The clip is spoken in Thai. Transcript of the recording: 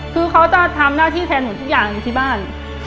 คือเขาจะทำหน้าที่แทนหนูทุกอย่างอยู่ที่บ้าน